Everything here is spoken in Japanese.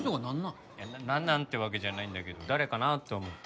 いやなんなん？ってわけじゃないんだけど誰かなって思って。